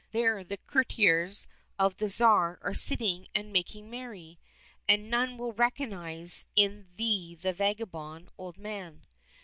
There the courtiers of the Tsar are sitting and making merry, and none will recognize in thee the vagabond old man.